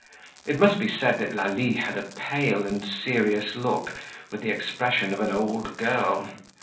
It must be said that Lalie had a pale and serious look, with the expression of an old girl.